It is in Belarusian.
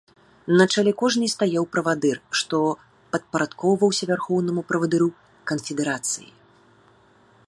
На чале кожнай стаяў правадыр, што падпарадкоўваўся вярхоўнаму правадыру канфедэрацыі.